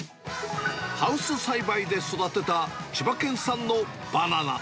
ハウス栽培で育てた、千葉県産のバナナ。